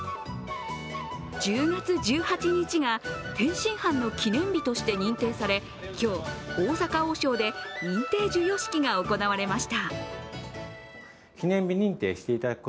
１０月１８日が天津飯の記念日として認定され今日、大阪王将で認定授与式が行われました。